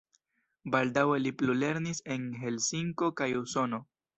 Baldaŭe li plulernis en Helsinko kaj Usono.